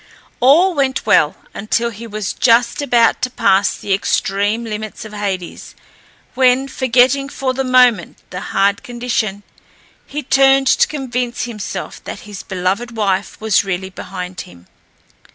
All went well until he was just about to pass the extreme limits of Hades, when, forgetting for the moment the hard condition, he turned to convince himself that his beloved wife was really behind him.